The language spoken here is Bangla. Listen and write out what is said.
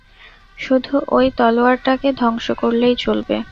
শুধু ওই তলোয়ারটাকে ধ্বংস করলেই চলবে।